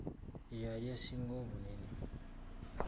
Ye yali esinga obunene.